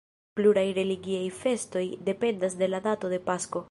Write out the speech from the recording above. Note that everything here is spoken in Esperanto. Pluraj religiaj festoj dependas de la dato de Pasko.